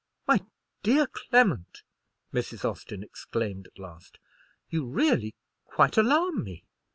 "My dear Clement," Mrs. Austin exclaimed at last, "you really quite alarm me.